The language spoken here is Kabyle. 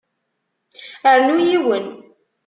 Rnu yiwen.